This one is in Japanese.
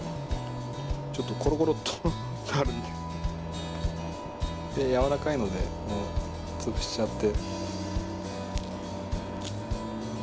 ちょっとコロコロっとなるんでやわらかいので潰しちゃって。